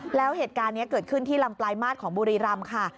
แล้วเหตุการณ์นี้เกิดขึ้นที่ลำปลายมาตรของบุรีรำค่ะ